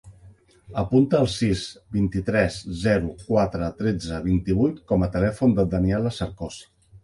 Apunta el sis, vint-i-tres, zero, quatre, tretze, vint-i-vuit com a telèfon de la Daniella Cercos.